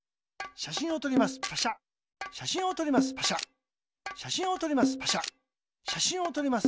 しゃしんをとります。